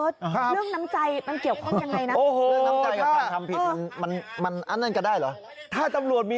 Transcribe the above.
ด้วยไม่มีหน้าหวายเลยสิบ